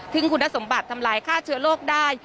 ถึงคุณสมบัติทำลายฆ่าเชื้อโรคได้